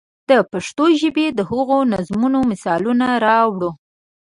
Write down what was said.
د پښتو ژبې د هغو نظمونو مثالونه راوړو.